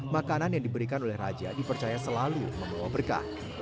makanan yang diberikan oleh raja dipercaya selalu membawa berkah